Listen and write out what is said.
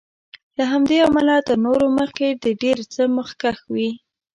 له همدې امله تر نورو مخکې د ډېر څه مخکښ وي.